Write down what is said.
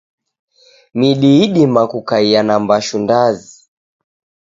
Midi idima kukaia na mbashu ndazi.